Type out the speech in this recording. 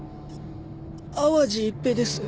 淡路一平です。